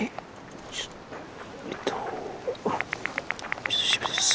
「お久しぶりです。